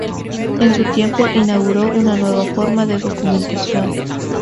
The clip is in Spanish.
En su tiempo, inauguró una nueva forma de documentación.